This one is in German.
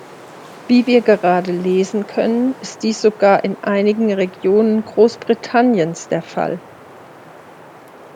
Wie wir gerade lesen können, ist dies sogar in einigen Regionen Großbritanniens der Fall.